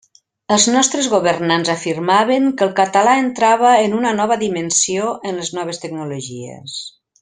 Els nostres governants afirmaven que el català entrava en una nova dimensió en les noves tecnologies.